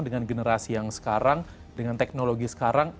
dengan generasi yang sekarang dengan teknologi sekarang